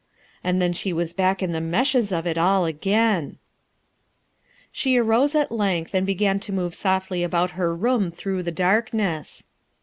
And then she was back in the meshes of it all again 1 She arose at length and began to move softly about her room through the darkness.